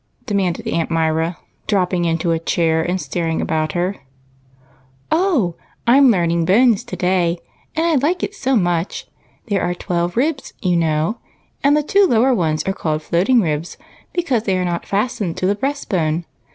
demanded Aunt Myra, dropping into a chair and staring about her. BROTHER BONES. 217 "Oh, I'm learning bones to day, and I like it so much. There are twelve ribs, you know, and the two lower ones are called floating ribs, because they are not fastened to the breast bone.